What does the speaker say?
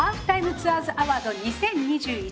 ツアーズアワード２０２１。